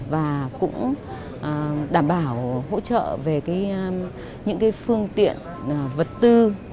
và cũng đảm bảo hỗ trợ về những phương tiện vật tư